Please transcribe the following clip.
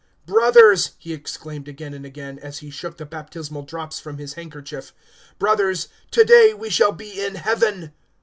"Brothers," he exclaimed again and again, as he shook the baptismal drops from his handkerchief, "brothers, to day we shall be in Heaven."